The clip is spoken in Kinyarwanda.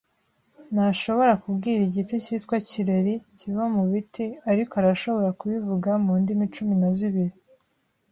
Ntashobora kubwira igiti cyitwa kireri kiva mubiti, ariko arashobora kubivuga mu ndimi cumi na zibiri.